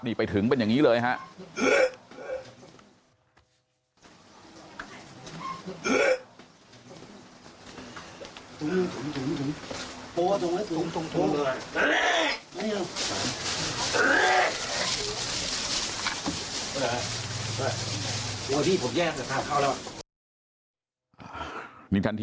นี่ไปถึงเป็นอย่างนี้เลยครับ